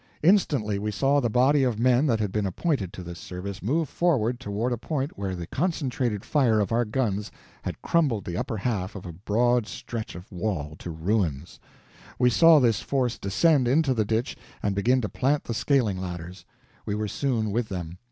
Instantly we saw the body of men that had been appointed to this service move forward toward a point where the concentrated fire of our guns had crumbled the upper half of a broad stretch of wall to ruins; we saw this force descend into the ditch and begin to plant the scaling ladders. We were soon with them.